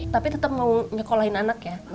tapi tetap mau nyekolahin anak ya